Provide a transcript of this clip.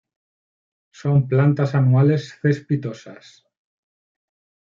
Son plantas anuales cespitosas.